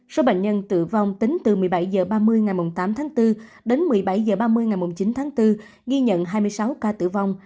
số bệnh nhân tử vong tính từ một mươi bảy h ba mươi ngày tám tháng bốn đến một mươi bảy h ba mươi ngày chín tháng bốn ghi nhận hai mươi sáu ca tử vong